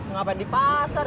ngapain di pasar